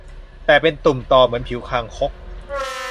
แต่เป็นตุ่มตอเหมือนผิวคางคก